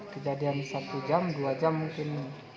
kejadian satu jam dua jam mungkin